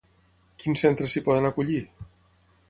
Quins centres s'hi poden acollir?